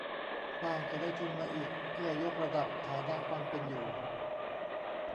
บ้างจะได้ทุนมาอีกเพื่อยกระดับฐานะความเป็นอยู่